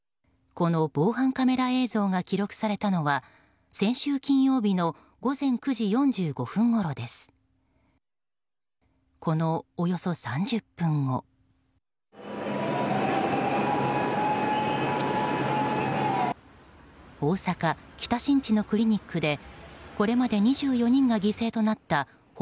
この防犯カメラ映像が記録されたのは先週金曜日の午前９時４５分ごろです。